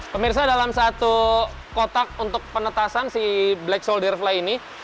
pemirsa dalam satu kotak untuk penetasan si black soldier fly ini